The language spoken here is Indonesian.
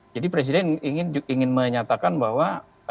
jadi presiden ingin menyatakan bahwa